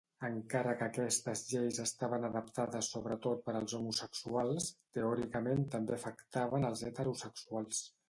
Encara que aquestes lleis estaven adaptades sobretot per als homosexuals, teòricament també afectaven els heterosexuals.